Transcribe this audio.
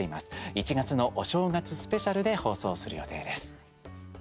１月のお正月スペシャルで放送する予定です。